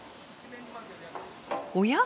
おや？